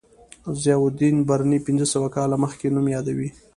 ضیاءالدین برني پنځه سوه کاله مخکې نوم یادوي.